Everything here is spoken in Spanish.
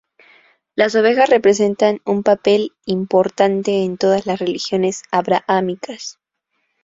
Las ovejas representan un papel importante en todas las religiones abrahámicas.